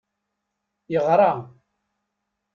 Yeɣra.